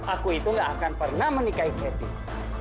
aku itu gak akan pernah menikahi catering